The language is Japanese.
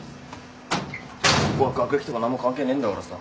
ここは学歴とか何も関係ねえんだからさ。